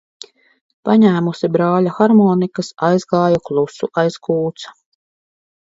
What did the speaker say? Paņēmusi brāļa harmonikas, aizgāju klusu aiz kūts.